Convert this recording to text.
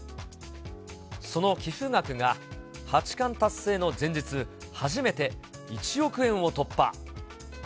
その寄付額が八冠達成の前日、初めて１億円を突破。